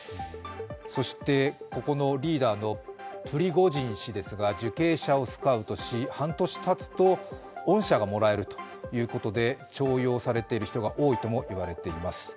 そしてここのリーダーのプリゴジン氏ですが受刑者をスカウトし、半年たつと恩赦がもらえるということで徴用されている人も多いといわれています。